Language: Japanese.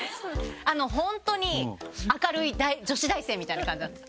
本当に明るい女子大生みたいな感じなんです。